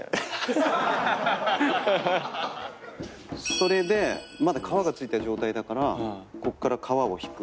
それでまだ皮が付いた状態だからこっから皮を引く。